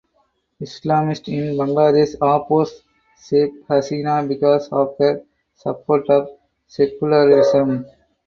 Islamist in Bangladesh oppose Sheikh Hasina because of her support of secularism.